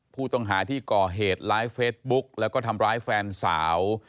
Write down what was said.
ผู้ต้องหาที่ก่อเหตุไลฟ์เฟซบุ๊กแล้วก็ทำร้ายแฟนสาว